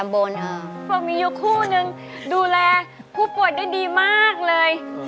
เพราะมีอยู่คู่นึงดูแลผู้ป่วยได้ดีมากเลย